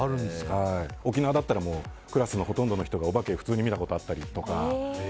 沖縄だったらクラスのほとんどの人がお化け普通に見たことあったりとか。